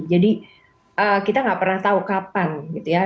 jadi kita tidak pernah tahu kapan gitu ya